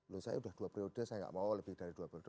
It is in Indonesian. loh saya sudah dua periode saya nggak mau lebih dari dua periode